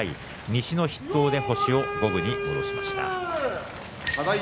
西の筆頭で星を五分に戻しました。